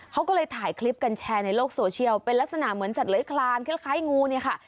เขาก็เลยถ่ายคลิปกันแชร์ในโลกโซเชียลเป็นลักษณะเหมือนสัตว์คลานคล้ายงูเนี่ยค่ะ